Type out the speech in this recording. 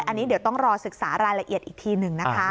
อันนี้เดี๋ยวต้องรอศึกษารายละเอียดอีกทีหนึ่งนะคะ